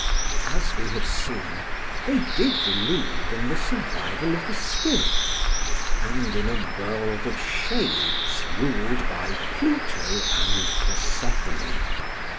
As we have seen, they did believe in the survival of the spirit, and in a world of shades ruled by Pluto and Persephone.